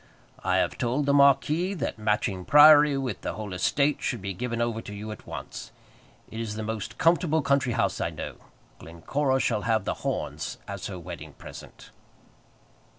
I have told the marquis that Matching Priory, with the whole estate, should be given over to you at once. It is the most comfortable country house I know. Glencora shall have The Horns as her wedding present."